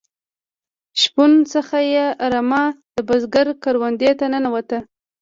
شپون څخه یې رمه د بزگر کروندې ته ننوته.